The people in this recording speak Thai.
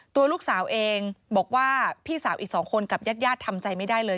ตัวลูกสาวเองบอกว่าพี่สาวอีก๒คนกับญาติญาติทำใจไม่ได้เลย